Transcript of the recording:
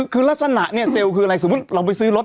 คือลักษณะเนี่ยเซลล์คืออะไรสมมุติเราไปซื้อรถ